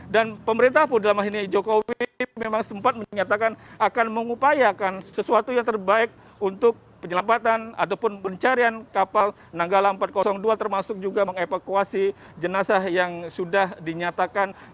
dan pemerintah pun dalam hal ini jokowi memang sempat menyatakan akan mengupayakan sesuatu yang terbaik untuk penyelamatan ataupun pencarian kapal nanggala empat ratus dua termasuk juga meng evakuasi jenazah yang sudah dinyatakan